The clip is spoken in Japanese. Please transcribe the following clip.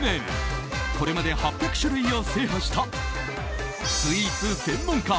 これまで８００種類を制覇したスイーツ専門家